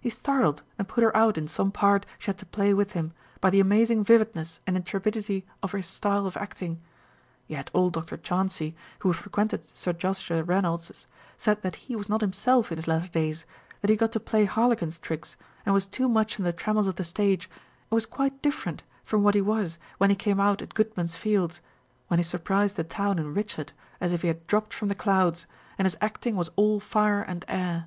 He startled and put her out in some part she had to play with him, by the amazing vividness and intrepidity of his style of acting. Yet old Dr. Chauncey1 who frequented Sir Joshua Reynolds's, said that lie was not himself in his latter days, that he got to play harlequin's tricks, and was too much in the trammels of the stage, and was quite dif ferent from what he was when he came out at Goodman's Fields, when he surprised the town in Richard, as if he had dropped from the clouds, and his acting was all fire and air.